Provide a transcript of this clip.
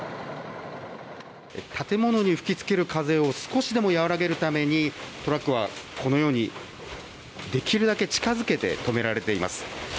建物に吹きつける風を少しでも和らげるためにトラックは、このようにできるだけ近づけて止められています。